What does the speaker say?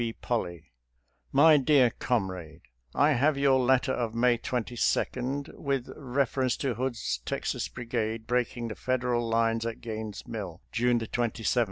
B. POLLEY :" My Dear Combade : I have your letter of May 22, with reference to Hood's Texas Brigade breaking the Federal lines at Gaines' Mill, June 27, 1862.